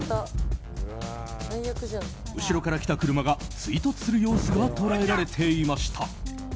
後ろから来た車が追突する様子が捉えられていました。